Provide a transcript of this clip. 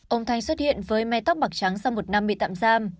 ông thanh xuất hiện với mai tóc bạc trắng sau một năm bị tạm giam